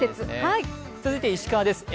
続いて石川です。